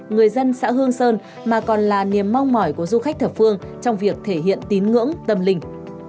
người dân xã hương sơn mà còn là niềm mong mỏi của du khách thập phương trong việc thể hiện tín ngưỡng tâm linh